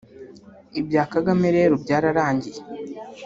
Ibya Kagame rero byarangiye